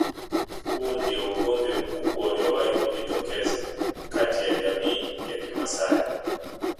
Huu ndio ugomvi mkubwa uliowahi kujitokeza kati ya jamii ya kimasai